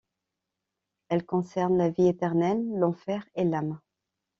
Elle concerne la vie éternelle, l'enfer et l'âme.